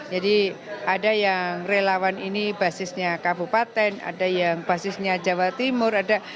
jadi ada yang relawan ini basisnya kabupaten ada yang basisnya jawa timur ada